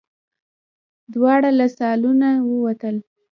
دواړه له سالونه ووتل.